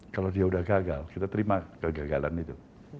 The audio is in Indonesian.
kalau dia sudah gagal kita terima kegagalan itu